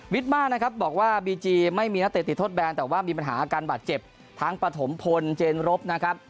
มานะครับบอกว่าบีจีไม่มีนักเตะติดทดแบนแต่ว่ามีปัญหาอาการบาดเจ็บทั้งปฐมพลเจนรบนะครับ